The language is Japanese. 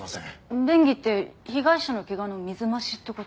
便宜って被害者の怪我の水増しって事？